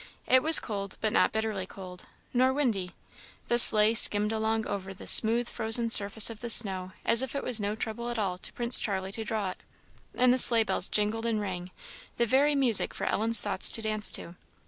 It was cold, but not bitterly cold, nor windy; the sleigh skimmed along over the smooth frozen surface of the snow as if it was no trouble at all to Prince Charlie to draw it; and the sleigh bells jingled and rang, the very music for Ellen's thoughts to dance to.